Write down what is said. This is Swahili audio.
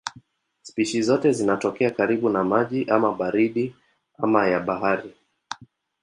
Spishi zote zinatokea karibu na maji ama baridi ama ya bahari.